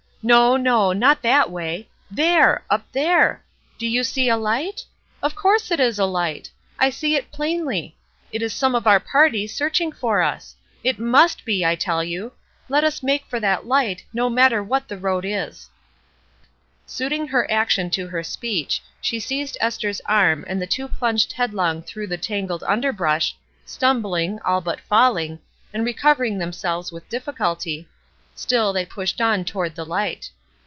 No, no ! not that way ! There ! up there ! Do you see a hght ? Of course it is a hght 1 I see it plainly. It is some of our party, searching for us. It must be, I tell you ! Let us make for that hght, no matter what the road is." 170 ESTER RIED'S NAMESAKE Suiting her action to her speech, she seized Esther's arm and the two plunged headlong through the tangled underbrush, stiunbUng, all but falUng, and recovering themselves with difficulty, still they pushed on toward the Ught.